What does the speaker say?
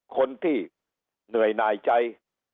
คนที่เหนื่อยหน่ายใจ